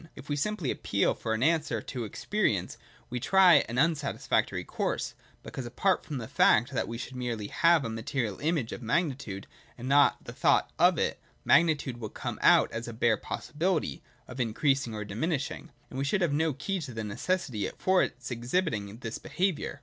If we simply appeal for an answer to experience, we try an unsatisfactory course ; because apart from the fact that we should merely have a material image of magnitude, and not the thought of it, magnitude would come out as a bare possibility (of increas ing or diminishing) and we should have no key to the neces sity for its exhibiting this behaviour.